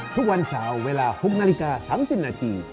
ทุกวันเสาร์เวลา๖นาฬิกา๓๐นาที